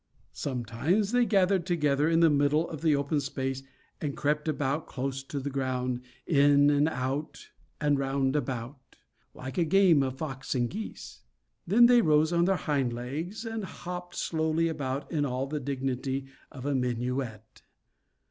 Sometimes they gathered together in the middle of the open space and crept about close to the ground, in and out and roundabout, like a game of fox and geese. Then they rose on their hind legs and hopped slowly about in all the dignity of a minuet.